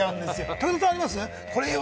武田さん、あります？